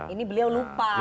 ini beliau lupa